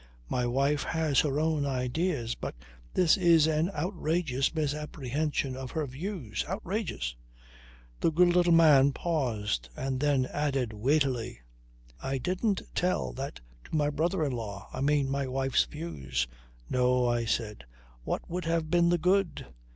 My wife has her own ideas, but this is an outrageous misapprehension of her views. Outrageous." The good little man paused and then added weightily: "I didn't tell that to my brother in law I mean, my wife's views." "No," I said. "What would have been the good?"